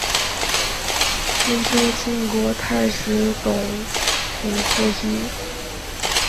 春秋晋国太史董狐后裔。